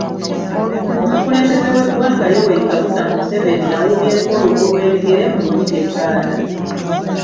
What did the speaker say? Omukulembeze w’eggwanga Yoweri Kaguta Museveni awuubyeko olubu lw’ebigere mu lubiri e Banda.